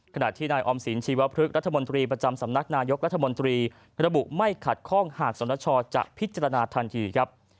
ขณะที่นายออมสินชีวพฤกษรัฐมนตรีประจำสำนักนายกรัฐมนตรีระบุไม่ขัดข้องหากสนชจะพิจารณาทันทีครับ